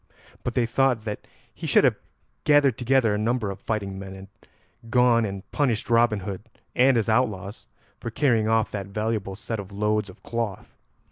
But they thought that he should have gathered together a number of fighting men and gone and punished Robin Hood and his outlaws for carrying off that valuable set of loads of cloth.